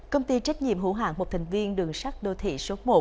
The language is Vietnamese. công ty trách nhiệm hữu hạng một thành viên đường sắt đô thị số một